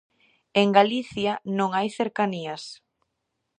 En Galicia non hai cercanías.